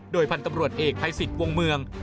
โดยพันธ์ตำรวจเอกภัยสิทธิ์วงเมือง